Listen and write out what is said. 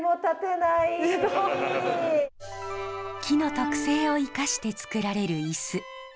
木の特性を生かしてつくられる椅子。